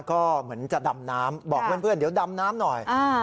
ก็เหมือนจะดำน้ำบอกเพื่อนเดี๋ยวดำน้ำหน่อย